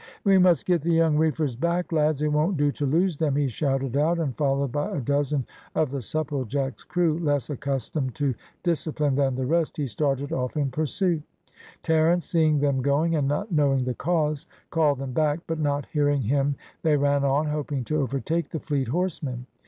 "We must get the young reefers back, lads! It won't do to lose them," he shouted out, and followed by a dozen of the Supplejack's crew, less accustomed to discipline than the rest, he started off in pursuit. Terence seeing them going, and not knowing the cause, called them back, but not hearing him they ran on, hoping to overtake the fleet horsemen.